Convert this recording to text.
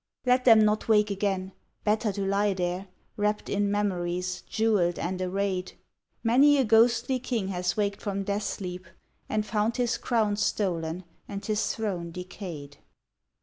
Let them not wake again, better to lie there, Wrapped in memories, jewelled and arrayed Many a ghostly king has waked from death sleep And found his crown stolen and his throne decayed.